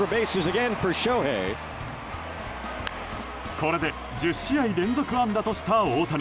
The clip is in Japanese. これで１０試合連続安打とした大谷。